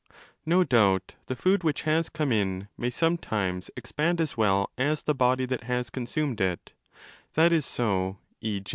1_ No doubt the food, which has come in, may sometimes expand as well as the body that has consumed it (that is so, e.